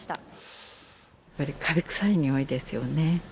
やっぱりかび臭いにおいです